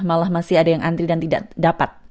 malah masih ada yang antri dan tidak dapat